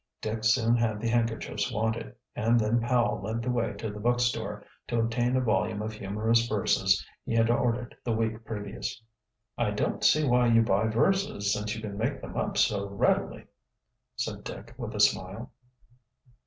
Dick soon had the handkerchiefs wanted, and then Powell led the way to the bookstore, to obtain a volume of humorous verses he had ordered the week previous. "I don't see why you buy verses, since you can make them up so readily," said Dick with a smile.